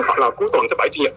hoặc là cuối tuần cho bảy chủ nhật